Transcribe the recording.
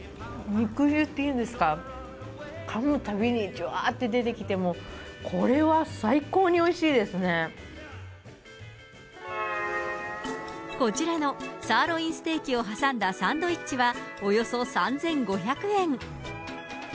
肉汁っていうんですか、かむたびにじゅわーって出てきて、もう、これは最高においしいですこちらのサーロインステーキを挟んだサンドイッチは、およそ３５００円。